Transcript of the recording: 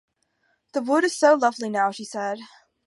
“The wood is so lovely now,” she said.